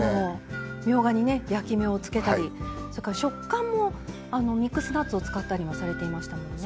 みょうがにね焼き目をつけたりそれから食感もミックスナッツを使ったりもされていましたもんね。